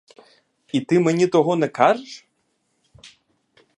І ти мені того не кажеш?